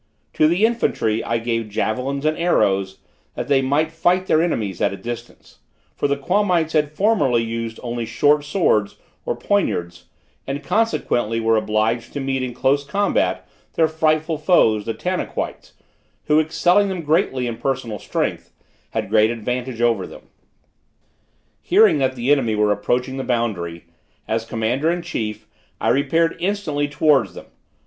To the infantry I gave javelins and arrows, that they might fight their enemies at a distance; for the Quamites had formerly used only short swords or poignards, and consequently were obliged to meet in close combat their frightful foes, the Tanaquites, who excelling them greatly in personal strength, had great advantage over them. Hearing that the enemy were approaching the boundary, as commander in chief, I repaired instantly towards them.